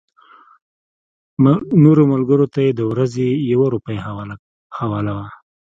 نورو ملګرو ته یې د ورځې یوه روپۍ حواله وه.